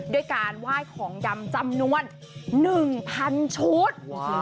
ด้วยการไหว้ของดำจำนวน๑๐๐๐ชุด